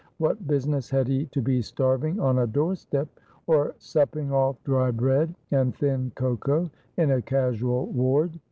What business had he to be starving on a doorstep or supping off dry bread and thin cocoa in a casual ward?